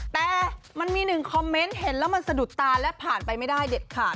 แต่มันมีหนึ่งคอมเมนต์เห็นแล้วมันสะดุดตาและผ่านไปไม่ได้เด็ดขาด